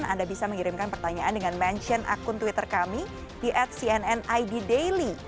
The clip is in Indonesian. anda bisa mengirimkan pertanyaan dengan mention akun twitter kami di at cnn id daily